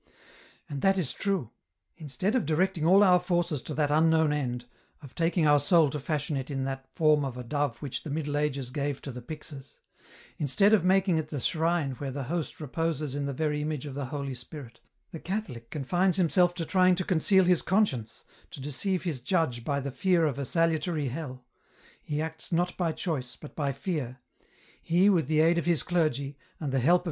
" And that is true. Instead of directing all our forces to that unknown end, Df taking our soul to fashion it in that form of a dove which the Middle Ages gave to the pyxes ; instead of making it the shrine where the Host reposes in the very image of the Holy Spirit, the Catholic confines himself to trying to conceal his conscience, to deceive his Judge by the fear of a salutary hell ; he acts not by choice, but by fear : he with the aid of his clergy, and the help of 232 EN ROUTE.